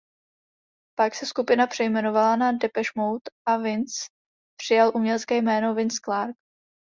Pak se skupina přejmenovala na Depeche Mode a Vince přijal umělecké jméno Vince Clarke.